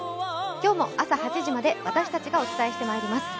今日も朝８時まで、私たちがお伝えしてまいります。